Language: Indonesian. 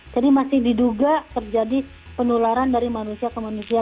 jadi masih diduga terjadi penularan dari manusia ke manusia